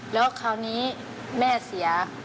แล้วคราวนี้แม่เสีย